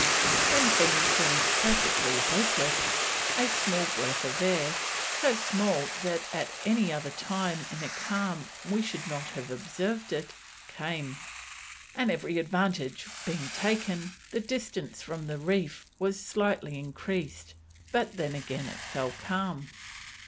When things seemed perfectly hopeless, a small breath of air, "so small that at any other time in a calm we should not have observed it," came, and every advantage being taken, the distance from the reef was slightly increased, but then again it fell calm.